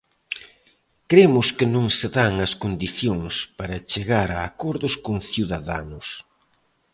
Cremos que non se dan as condicións para chegar a acordos con Ciudadanos.